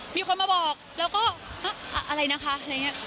มีคนมาบอกแล้วก็อะไรนะคะอะไรอย่างนี้